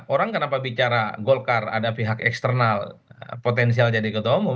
orang kenapa bicara golkar ada pihak eksternal potensial jadi ketua umum